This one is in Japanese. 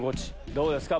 どうですか？